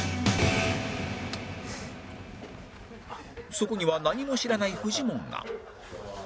そこには何も知らないフジモンが